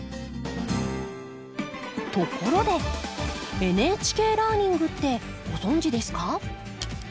ところで「ＮＨＫラーニング」ってご存じですか？